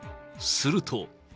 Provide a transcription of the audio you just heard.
すると。